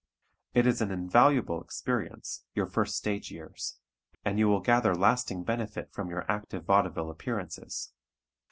It is an invaluable experience, your first stage years, and you will gather lasting benefit from your active vaudeville appearances.